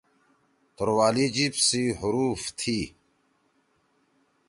توروالی جیِب سی حروف